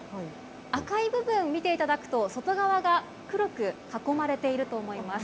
赤い部分を見ていただくと、外側が黒く囲まれていると思います。